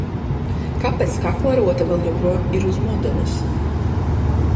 Kāpēc kaklarota vēl joprojām ir uz modeles?